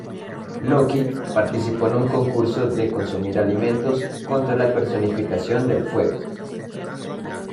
Loki participó en un concurso de consumir alimentos contra la personificación del fuego.